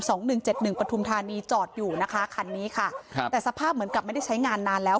หนึ่งเจ็ดหนึ่งปฐุมธานีจอดอยู่นะคะคันนี้ค่ะครับแต่สภาพเหมือนกับไม่ได้ใช้งานนานแล้ว